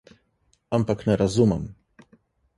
Ampak ne razumem.